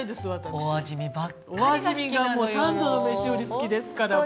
お味見がもう三度の飯より好きですから。